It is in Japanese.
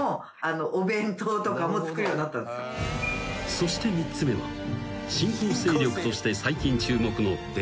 ［そして３つ目は新興勢力として最近注目の］